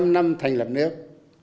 một trăm linh năm thành lập nước